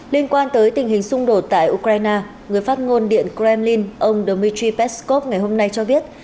liên quan tới tình hình xung đột tại ukraine người phát ngôn điện kremlin ông dmitry peskov ngày hôm nay cho biết